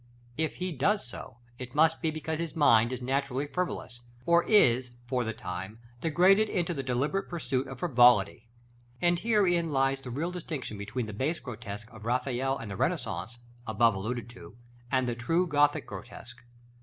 If he does so, it must be because his mind is naturally frivolous, or is for the time degraded into the deliberate pursuit of frivolity. And herein lies the real distinction between the base grotesque of Raphael and the Renaissance, above alluded to, and the true Gothic grotesque.